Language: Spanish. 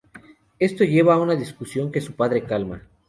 Esto las lleva a una discusión que su padre calma.